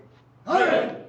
はい！